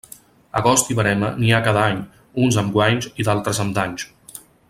Agost i verema n'hi ha cada any, uns amb guanys i d'altres amb danys.